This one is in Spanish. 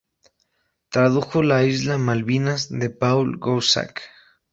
Tradujo "Las islas Malvinas" de Paul Groussac.